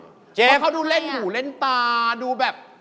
เจ๊เขาดูเล่นหูเล่นตาดูแบบ